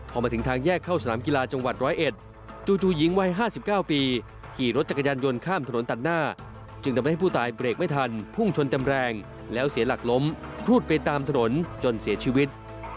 พอมาถึงทางแยกเข้าสนามกีฬาจังหวัด๑๐๑จู่หญิงวัย๕๙ปีขี่รถจักรยานยนต์ข้ามถนนตัดหน้าจึงทำให้ผู้ตายเบรกไม่ทันพุ่งชนเต็มแรงแล้วเสียหลักล้มครูดไปตามถนนจนเสียชีวิต